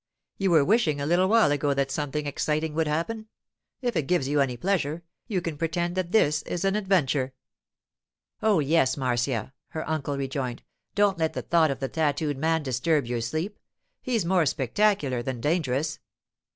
You were wishing a little while ago that something exciting would happen—if it gives you any pleasure, you can pretend that this is an adventure.' 'Oh, yes, Marcia,' her uncle rejoined. 'Don't let the thought of the tattooed man disturb your sleep. He's more spectacular than dangerous.